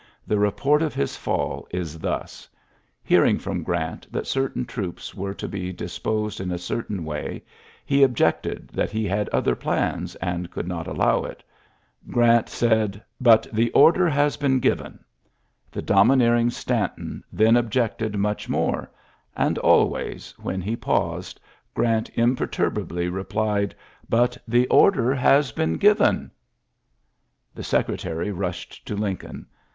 The report of his fall is thus : Hearing from Orant that certain troops were to be dis posed in a certain way, he objected that he had other plans, and could not allow it. Orant said, ^'But the order has been given." The domineering Stanton then objected much more ; and always, when he paused, Orant imperturbably re plied, *'But the order has been given.'.' The Secretary rushed to Lincoln.